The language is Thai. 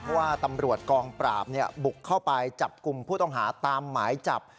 เพราะว่าตำรวจกองปราบบุกเข้าไปจับกลุ่มผู้ต้องหาตามหมายจับ